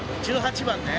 １８番ね。